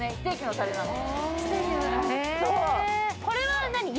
これは何？